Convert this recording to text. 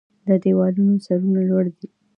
د دیوالونو سرونه لوړ دی